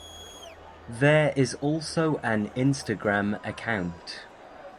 There is also an Instagram account.